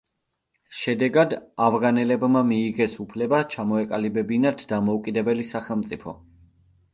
შედეგად ავღანელებმა მიიღეს უფლება ჩამოეყალიბებინათ დამოუკიდებელი სახელმწიფო.